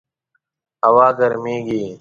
هوا ګرمیږي